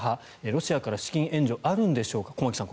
ロシアから資金援助あるんでしょうか駒木さん